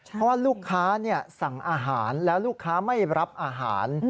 เพราะว่าลูกค้าสั่งอาหารแล้วลูกค้าไม่รับอาหาร